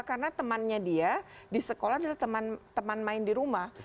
karena temannya dia di sekolah adalah teman main di rumah